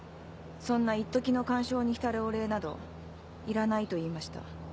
そんないっときの感傷に浸るお礼などいらないと言いました。